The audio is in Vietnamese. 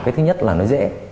cái thứ nhất là nó dễ